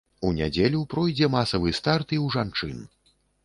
У нядзелю пройдзе масавы старт і ў жанчын.